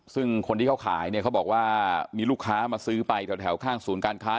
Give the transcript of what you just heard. ซึ่งคนที่เขาขายเนี่ยเขาบอกว่ามีลูกค้ามาซื้อไปแถวข้างศูนย์การค้า